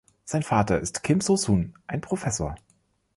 Sein Vater ist Kim Soo-Sun, ein Professor.